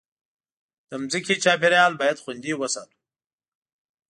د مځکې چاپېریال باید خوندي وساتو.